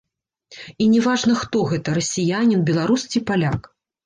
І не важна, хто гэта, расіянін, беларус ці паляк.